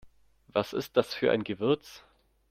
Was ist das für ein Gewürz?